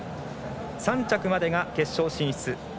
３着までが決勝進出。